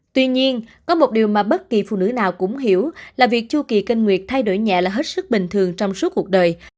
tuy nhiên có một điều mà bất kỳ phụ nữ nào cũng hiểu là việc chu kỳ kinh nguyệt thay đổi nhẹ là hết sức bình thường trong suốt cuộc đời